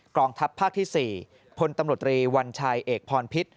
กองทัพภาคที่๔พลตำรวจรีวัญชัยเอกพรพิษ